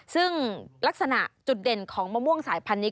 ซึ่งลักษณะจุดเด่นของมะม่วงสายพันธุ